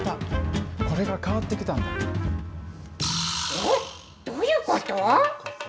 え、どういうこと。